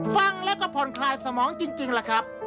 ฟังแล้วก็ผ่อนคลายสมองจริงล่ะครับ